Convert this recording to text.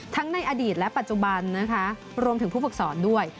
ในอดีตและปัจจุบันนะคะรวมถึงผู้ฝึกสอนด้วย